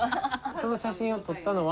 その写真を撮ったのは？